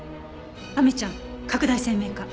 亜美ちゃん拡大鮮明化。